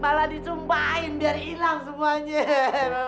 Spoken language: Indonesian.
malah dicumpahin biar hilang semuanya